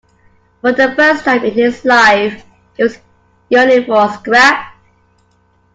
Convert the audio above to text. For the first time in his life he was yearning for a scrap.